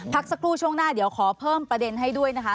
พักสักครู่ช่วงหน้าเดี๋ยวขอเพิ่มประเด็นให้ด้วยนะคะ